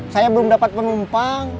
saya belum dapat penumpang